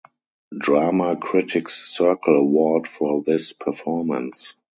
Drama Critics Circle Award for this performance.